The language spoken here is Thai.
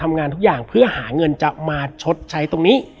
ทำงานทุกอย่างเพื่อหาเงินจะมาชดใช้ตรงนี้